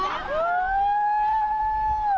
กุธเร่ง